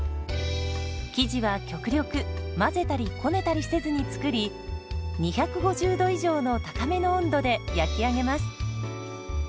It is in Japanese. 生地は極力混ぜたりこねたりせずに作り２５０度以上の高めの温度で焼き上げます。